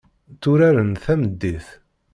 Tturaren tameddit.